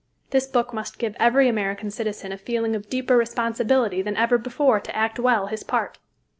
This book must give every American citizen a feeling of deeper responsibility than ever before to act well his part.